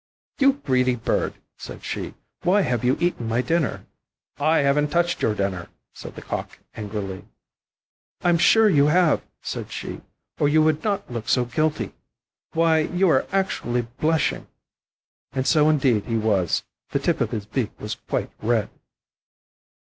"You greedy bird," said she, "why have you eaten my dinner?" "I haven't touched your dinner," said the Cock angrily. "I'm sure you have," said she, "or you would not look so guilty. Why, you are actually blushing." And so indeed he was; the tip of his beak was quite red.